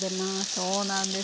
そうなんです